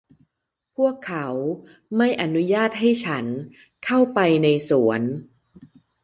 พวกเขาไม่อนุญาตให้ฉันเข้าไปในสวน